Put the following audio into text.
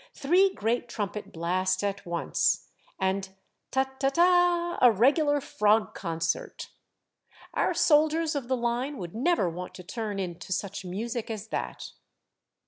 Three great trumpet blasts at once, and * Ta^ ta^ ta — 'a regular frog concert ! Our soldiers of the line would never want to turn in to such music as that!